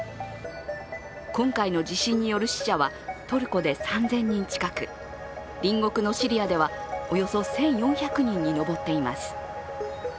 今回の地震による死者はトルコで３０００人近く、隣国のシリアではおよそ１４００人に上っています。